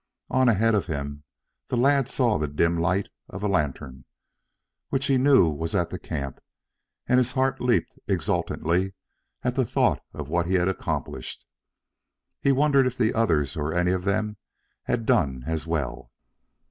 On ahead of him the lad saw the dim light of a lantern, which he knew was at the camp and his heart leaped exultantly at the thought of what he had accomplished. He wondered if the others or any of them had done as well.